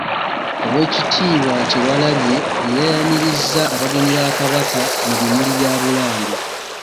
Oweekitiibwa Kyewalabye y'eyayanirizza abagenyi ba Kabaka mu bimuli bya Bulange.